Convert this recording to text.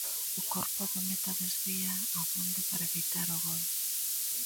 O corpo do meta desvía abondo para evitar o gol.